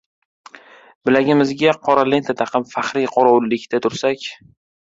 bilagimizga qora lenta taqib faxriy qorovullikda tursak!